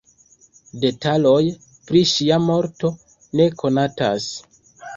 Detaloj pri ŝia morto ne konatas.